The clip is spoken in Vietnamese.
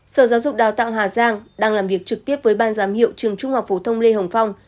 sở giáo dục đào tạo hà giang đang làm việc trực tiếp với ban giám hiệu trường trung học phổ thông lê hồng phong